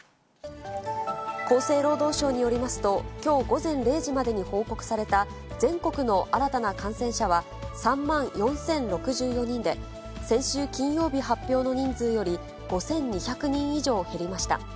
厚生労働省によりますと、きょう午前０時までに報告された全国の新たな感染者は３万４０６４人で、先週金曜日発表の人数より５２００人以上減りました。